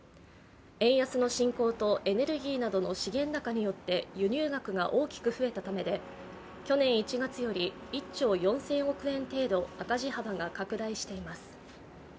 円安の進行とエネルギーなどの資源高によって輸入額が大きく増えたためで、去年１月より１兆４０００億円程度赤字幅が拡大しています。